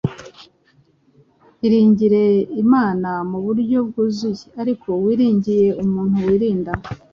Iringire Imana mu buryo bwuzuye ariko wiringire umuntu wirinda.